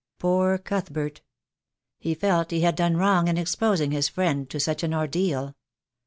Poor Cuthbert! He felt he had done wrong in exposing his friend to such an ordeal.